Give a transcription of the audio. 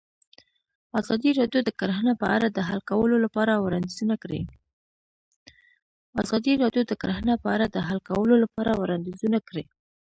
ازادي راډیو د کرهنه په اړه د حل کولو لپاره وړاندیزونه کړي.